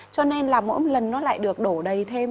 cho nên là mỗi lần nó lại được đổ đầy thêm